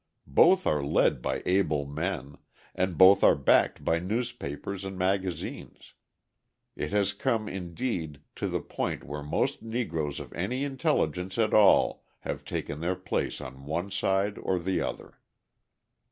Both are led by able men, and both are backed by newspapers and magazines. It has come, indeed, to the point where most Negroes of any intelligence at all have taken their place on one side or the other.